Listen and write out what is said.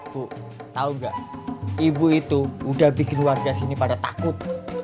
bu tahu nggak ibu itu udah bikin warga sini pada takut